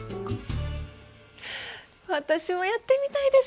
私もやってみたいです！